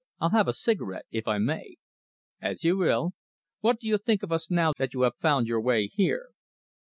I'll have a cigarette, if I may." "As you will. What do you think of us now that you have found your way here?"